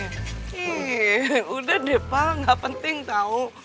ih udah deh pa gak penting tau